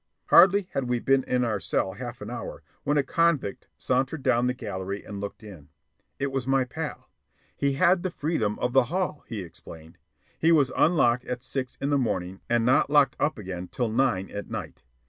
Hardly had we been in our cell half an hour, when a convict sauntered down the gallery and looked in. It was my pal. He had the freedom of the hall, he explained. He was unlocked at six in the morning and not locked up again till nine at night.